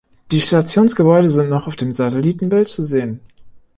Die Stationsgebäude sind noch auf dem Satellitenbild zu sehen.